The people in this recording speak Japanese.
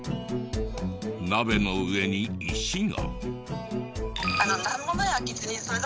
鍋の上に石が。